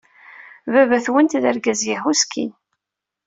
Baba-twent d argaz yehhuskin.